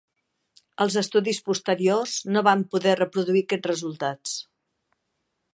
Els estudis posteriors no van poder reproduir aquests resultats.